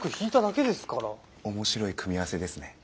面白い組み合わせですね。